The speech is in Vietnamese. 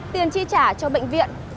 tiền chi trả cho bệnh viện